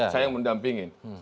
saya yang mendampingin